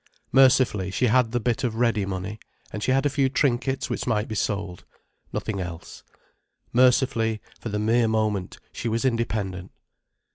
Mercifully she had the bit of ready money. And she had a few trinkets which might be sold. Nothing else. Mercifully, for the mere moment, she was independent.